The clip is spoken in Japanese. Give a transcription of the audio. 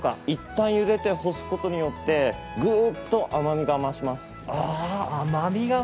いったんゆでて干すことによってグッと甘みが増します。